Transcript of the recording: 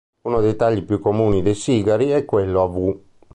Uno dei tagli più comuni dei sigari è quello a "V".